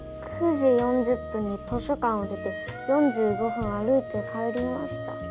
「９時４０分に図書館を出て４５分歩いて帰りました」